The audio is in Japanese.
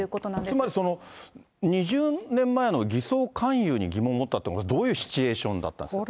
つまり、２０年前の偽装勧誘に疑問を持ったって、これ、どういうシチュエーションだったんですか。